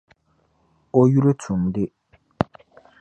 O yuli Tunde